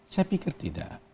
saya pikir tidak